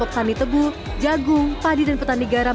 yang ditemani tebu jagung padi dan petani garam